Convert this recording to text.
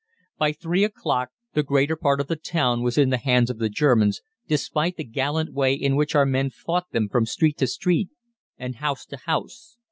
By three o'clock the greater part of the town was in the hands of the Germans, despite the gallant way in which our men fought them from street to street, and house to house.